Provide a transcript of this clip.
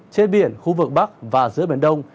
trên biển khu vực bắc và giữa biển đông